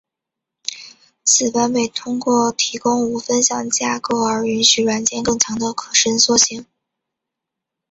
此版本通过提供无分享架构而允许软件更强的可伸缩性。